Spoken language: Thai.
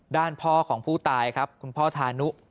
ด้านพ่อของผู้ตายครับคุณพ่อธานุ